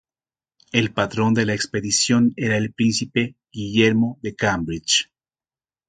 El patrón de la expedición era el príncipe Guillermo de Cambridge.